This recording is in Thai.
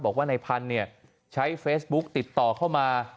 บอกว่าในพันธุ์ใช้เฟซบุ๊กติดต่อเข้ามา